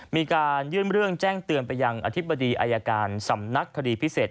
มีการยื่นเรื่องแจ้งเตือนไปยังอธิบดีอายการสำนักคดีพิเศษ